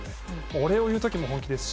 お礼を言う時も本気ですし